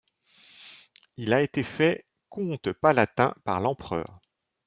Il a été fait comte palatin par l'empereur.